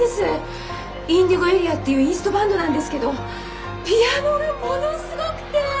ＩｎｄｉｇｏＡＲＥＡっていうインストバンドなんですけどピアノがものすごくて！